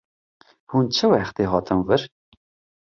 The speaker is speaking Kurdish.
Hûn çê wextê hatin vir?